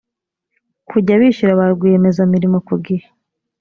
kujya bishyura ba rwiyemezamirimo ku gihe